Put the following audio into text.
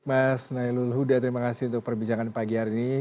mas nailul huda terima kasih untuk perbincangan pagi hari ini